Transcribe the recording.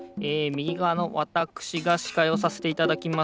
みぎがわのわたくしがしかいをさせていただきます。